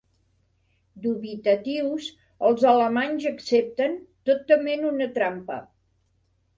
Dubitatius, els alemanys accepten, tot tement una trampa.